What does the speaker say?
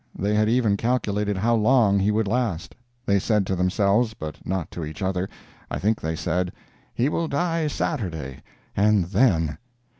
They had even calculated how long he would last; they said to themselves, but not to each other, I think they said, "He will die Saturday—and then!"